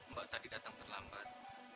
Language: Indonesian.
mbak tadi datang terlambat